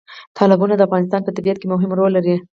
تالابونه د افغانستان په طبیعت کې مهم رول لري.